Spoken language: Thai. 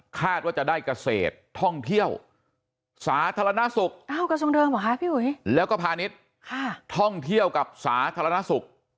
คาดว่าจะได้เกษตรท่องเที่ยวสาธารณสุขแล้วก็พาณิชย์ท่องเที่ยวกับสาธารณสุข